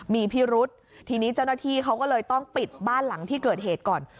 มีพิรุษทีนี้เจ้าหน้าที่เขาก็เลยต้องปิดบ้านหลังที่เกิดเหตุก่อน